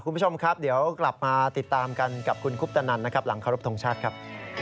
คุณผู้ชมครับเดี๋ยวกลับมาติดตามกันกับคุณคุปตนันนะครับหลังเคารพทงชาติครับ